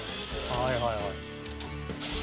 はいはいはい。